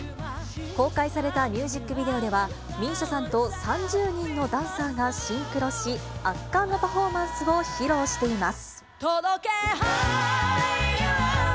公開されたミュージックビデオでは、ＭＩＳＩＡさんと３０人のダンサーがシンクロし、圧巻のパフォーマンスを披露しています。